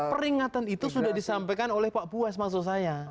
peringatan itu sudah disampaikan oleh pak buas maksud saya